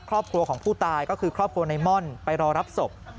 ครอบครัวของผู้ตายก็คือครอบครัวในม่อนไปรอรับศพ